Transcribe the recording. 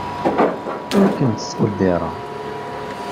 Ur kent-ttqeddireɣ.